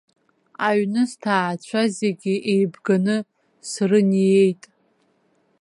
Аҩны сҭаацәа зегьы еибганы срыниеит.